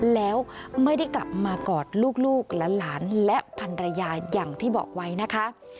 แล้วไม่ได้กลับมากอดลูกและหลานและพันรยาอย่างที่บอกไว้นะคะ